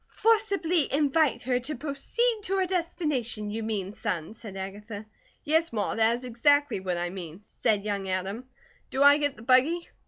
"'Forcibly invite her to proceed to her destination,' you mean, son," said Agatha. "Yes, Ma, that is exactly what I mean," said young Adam. "Do I get the buggy?"